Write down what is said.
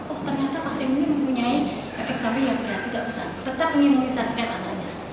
oh ternyata vaksin ini mempunyai efek samping yang berat tidak besar tetap ingin mengisahkan anaknya